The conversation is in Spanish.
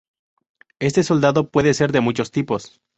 Este solado puede ser de muchos tipos.